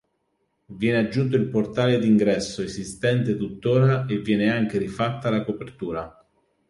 Viene aggiunto il portale d'ingresso esistente tuttora e viene anche rifatta la copertura.